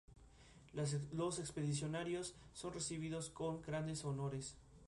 Los expedicionarios son recibidos con grandes honores.